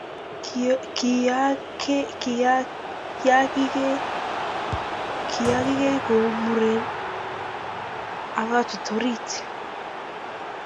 Kiakikei kou muren akachut orit